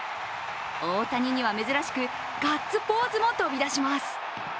大谷には珍しくガッツポーズも飛び出します。